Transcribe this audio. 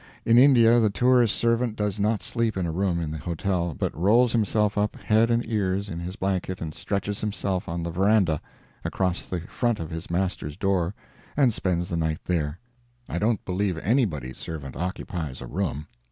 In India the tourist's servant does not sleep in a room in the hotel, but rolls himself up head and ears in his blanket and stretches himself on the veranda, across the front of his master's door, and spends the night there. I don't believe anybody's servant occupies a room.